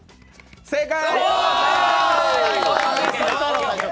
正解！